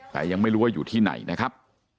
แต่ยังไม่รู้ว่าอยู่ที่ไหนนะครับ